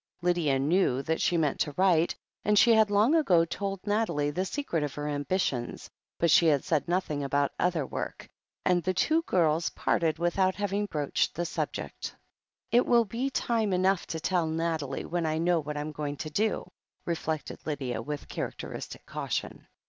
Lydia knew that she meant to write, and she had long ago told Nathalie the secret of her ambitions, but she had said nothing about other work, and the two girls parted without having broached the subject. "It will be time enough to tell Nathalie when I know what Fm going to do," reflected Lydia, with characteristic caution.